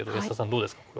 どうですかこれ。